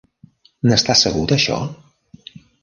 N'estàs segur, d'això?